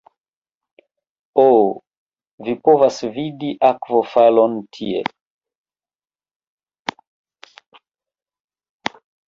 Oh vi povas vidi akvofalon tie